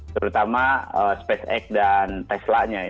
terutama spacex dan teslanya